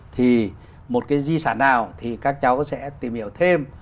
thì một cái di sản nào thì các cháu sẽ tìm hiểu thêm